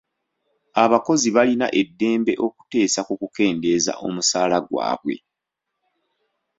Abakozi balina eddembe okuteesa ku kukendeeza omusaala gwabwe.